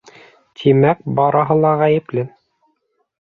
Тимәк, барыһы ла ғәйепле.